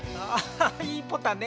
いいポタね。